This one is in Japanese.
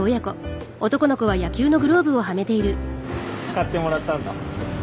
買ってもらったんだ？